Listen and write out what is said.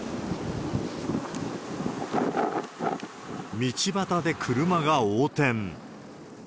道端で車が横転。